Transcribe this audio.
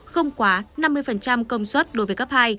không quá năm mươi công suất đối với cấp hai